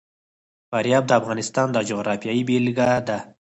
فاریاب د افغانستان د جغرافیې بېلګه ده.